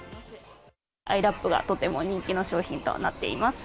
アイラップがとても人気の商品となっています。